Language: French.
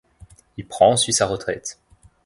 Il prend ensuite sa retraite.